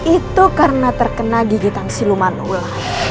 itu karena terkena gigitan siluman ular